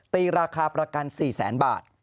ตีราคาประกัน๔แสนบาท